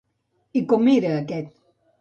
I com era aquest?